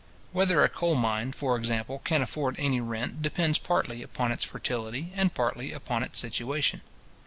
Whether a coal mine, for example, can afford any rent, depends partly upon its fertility, and partly upon its situation.